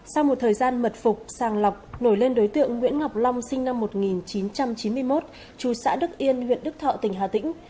sau một thời gian mật phục sàng lọc nổi lên đối tượng nguyễn ngọc long sinh năm một nghìn chín trăm chín mươi một chú xã đức yên huyện đức thọ tỉnh hà tĩnh